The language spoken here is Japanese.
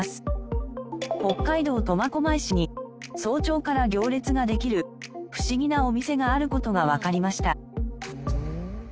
北海道苫小牧市に早朝から行列ができるフシギなお店がある事がわかりました。